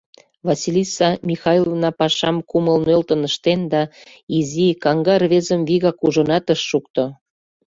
Василиса Михайловна пашам кумыл нӧлтын ыштен да изи, каҥга рвезым вигак ужынат ыш шукто.